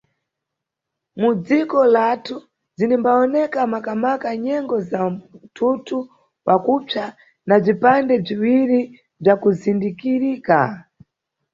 Mu dziko lathu zinimbawoneka maka-maka nyengo za mtundu wa kupsa, na bzipande bziwiri bzakuzindikirika.